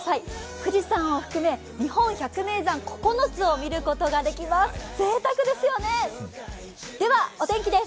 富士山を含め日本百名山９つを見ることができます。